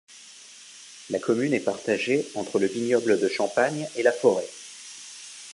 La commune est partagée entre le vignoble de Champagne et la forêt.